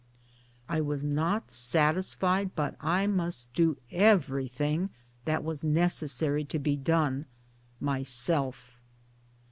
; I was not satisfied but I must do everything that was necessary to be done, myself.